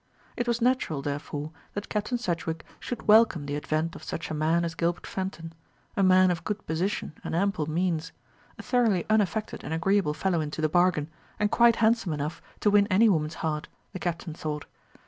It was natural, therefore, that Captain Sedgewick should welcome the advent of such a man as Gilbert Fenton a man of good position and ample means; a thoroughly unaffected and agreeable fellow into the bargain, and quite handsome enough to win any woman's heart, the Captain thought.